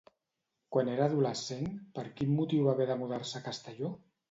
Quan era adolescent, per quin motiu va haver de mudar-se a Castelló?